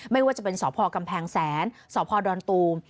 ไม่ว่าจะเป็นสพกำแพงแสนสพดอนตูม